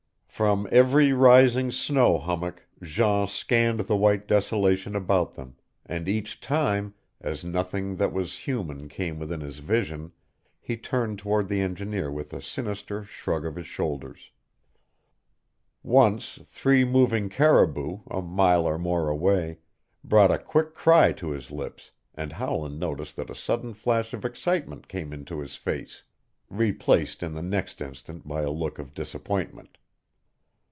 From every rising snow hummock Jean scanned the white desolation about them, and each time, as nothing that was human came within his vision, he turned toward the engineer with a sinister shrug of his shoulders. Once three moving caribou, a mile or more away, brought a quick cry to his lips and Howland noticed that a sudden flush of excitement came into his face, replaced in the next instant by a look of disappointment.